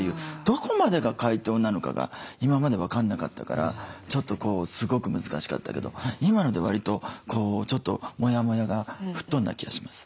どこまでが解凍なのかが今まで分かんなかったからちょっとすごく難しかったけど今のでわりとちょっとモヤモヤが吹っ飛んだ気がします。